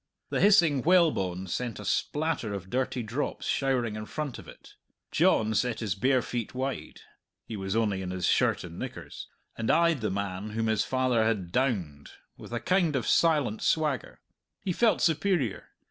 The hissing whalebone sent a splatter of dirty drops showering in front of it. John set his bare feet wide (he was only in his shirt and knickers) and eyed the man whom his father had "downed" with a kind of silent swagger. He felt superior.